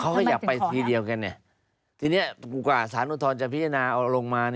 เขาก็อยากไปทีเดียวกันเนี่ยทีนี้กว่าสารอุทธรณ์จะพิจารณาเอาลงมา